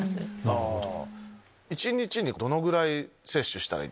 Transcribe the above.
なるほど。